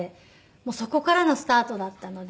そこからのスタートだったので。